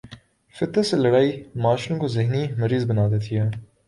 فطرت سے لڑائی معاشروں کو ذہنی مریض بنا دیتی ہے۔